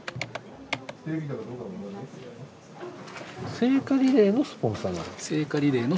聖火リレーのスポンサーなの？